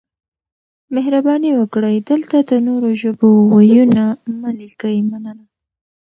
مهرباني وکړئ دلته د نورو ژبو وييونه مه لیکئ مننه